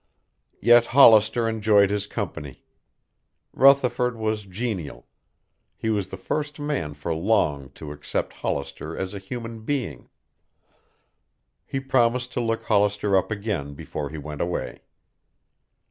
Yet Hollister enjoyed his company. Rutherford was genial. He was the first man for long to accept Hollister as a human being. He promised to look Hollister up again before he went away.